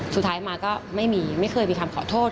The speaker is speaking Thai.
สุดท้ายมาก็ไม่มีไม่เคยมีคำขอโทษ